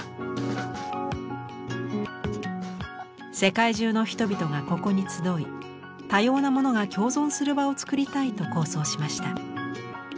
世界中の人々がここに集い多様なものが共存する場を作りたいと構想しました。